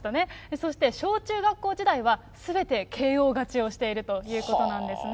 そして小中学校時代は、すべてＫＯ勝ちをしているということなんですね。